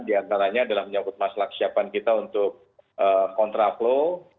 di antaranya adalah menyebut masalah kesiapan kita untuk kontraplo